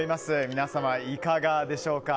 皆様、いかがでしょうか。